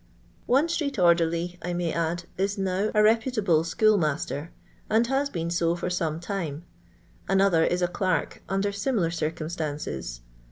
One street^orderly, I may add, is now a re putable school master, and nas been so for some time; another is a clerk under similar circum f tances.